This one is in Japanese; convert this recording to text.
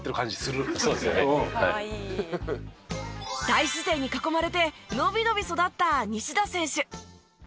大自然に囲まれてのびのび育った西田選手。